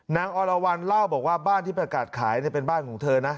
อรวรรณเล่าบอกว่าบ้านที่ประกาศขายเป็นบ้านของเธอนะ